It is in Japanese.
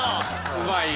うまいね。